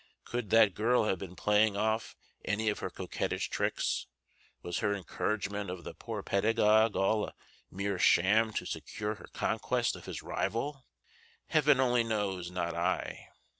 Could that girl have been playing off any of her coquettish tricks? Was her encouragement of the poor pedagogue all a mere sham to secure her conquest of his rival? Heaven only knows, not I!